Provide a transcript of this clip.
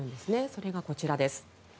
それがこちらです。